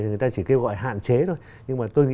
người ta chỉ kêu gọi hạn chế thôi